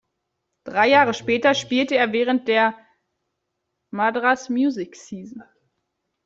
Drei Jahre später spielte er während der Madras Music Season.